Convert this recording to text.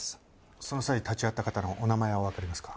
その際立ち会った方のお名前はわかりますか？